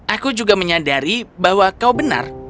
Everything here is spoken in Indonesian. aku juga menyadari bahwa kau benar